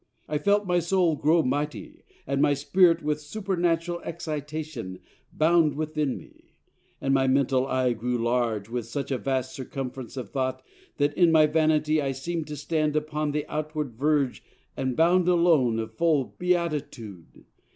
I felt my soul grow mighty, and my spirit With supernatural excitation bound Within me, and my mental eye grew large With such a vast circumference of thought, That in my vanity I seem'd to stand Upon the outward verge and bound alone Of full beatitude.